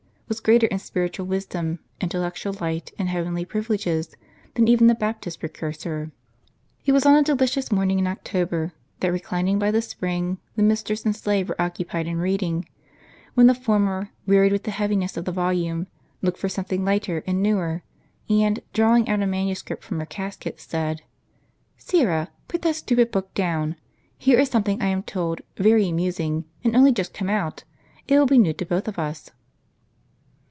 w^as greater in spiritual wisdom, intel lectual light, and heavenly privileges, than even the Baptist Precursor.* It was on a delicious morning in October, that, reclining by the spring, the mistress and slave were occupied in reading ; when the former, wearied with the heaviness of the volume, looked for something lighter and newer ; and, drawing out a manuscript from her casket, said : "Syra, put that stupid book down. Here is something, I am told, very amusing, and only just come out. It will be new to both of us."